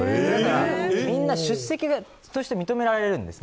みんな出席として認められるんです。